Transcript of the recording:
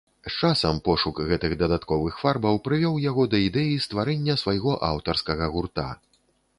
З часам пошук гэтых дадатковых фарбаў прывёў яго да ідэі стварэння свайго аўтарскага гурта.